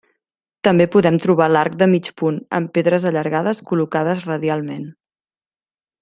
També podem trobar l’arc de mig punt, amb pedres allargades col·locades radialment.